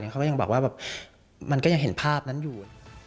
ก็ยังบอกว่ามันเป็นเรื่องเห็นเผาณั่นอยู่